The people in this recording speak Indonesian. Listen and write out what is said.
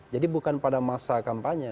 bukan pada masa kampanye